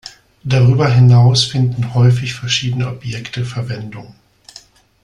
Darüber hinaus finden häufig verschiedene Objekte Verwendung.